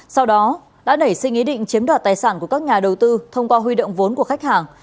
sau đó đã nảy sinh ý định chiếm đoạt tài sản của các nhà đầu tư thông qua huy động vốn của khách hàng